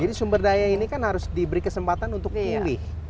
jadi sumber daya ini kan harus diberi kesempatan untuk pilih